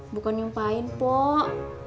bukan nyumpain pok